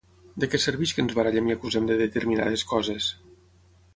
De què serveix que ens barallem i acusem de determinades coses?